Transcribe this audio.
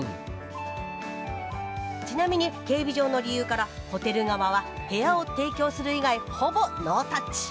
ちなみに警備上の理由からホテル側は部屋を提供する以外ほぼノータッチ。